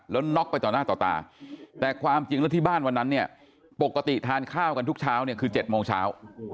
แล้วน็อกไปต่อหน้าต่อตาแต่ความจริงแล้วที่บ้านวันนั้นเนี่ยปกติทานข้าวกันทุกเช้าเนี่ยคือ๗โมงเช้า